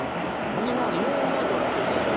僕今まで４本撮らせていただいてて。